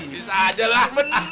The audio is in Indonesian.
bisa aja lah